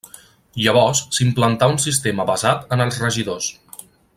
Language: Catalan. Llavors s'implantà un sistema basat en els regidors.